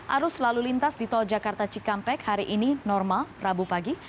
arus lalu lintas di tol jakarta cikampek hari ini normal rabu pagi